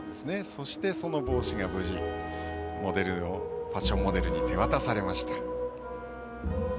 そして、その帽子が無事ファッションモデルに手渡されました。